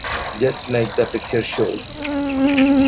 Just like the picture shows.